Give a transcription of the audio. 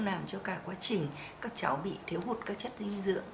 làm cho cả quá trình các cháu bị thiếu hụt các chất dinh dưỡng